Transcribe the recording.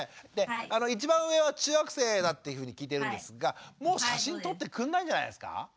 で一番上は中学生だっていうふうに聞いてるんですがもう写真撮ってくんないんじゃないですか？